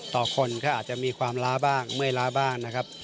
ต่อคนก็อาจจะมีความล้าบ้างเมื่อยล้าบ้างนะครับ